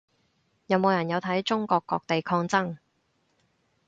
有冇人有睇中國各地抗爭